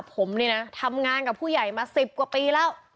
ผมนี่นะทำงานกับผู้ใหญ่มา๑๐กว่าปีแล้ว